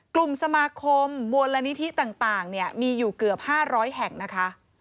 กลุ่มสมาคมมวลนิธิต่างมีอยู่เกือบ๕๐๐แห่งนะคะ